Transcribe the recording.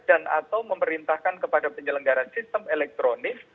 dan atau memerintahkan kepada penyelenggaran sistem elektronik